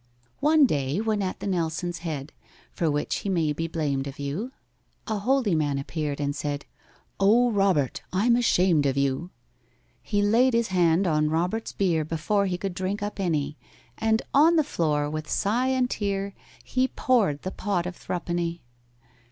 One day, when at the Nelson's Head (For which he may be blamed of you), A holy man appeared, and said, "Oh, ROBERT, I'm ashamed of you." He laid his hand on ROBERT'S beer Before he could drink up any, And on the floor, with sigh and tear, He poured the pot of "thruppenny."